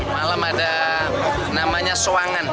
malam ada namanya suangan